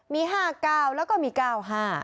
มีห้าเก้าแล้วก็มีเก้าห้า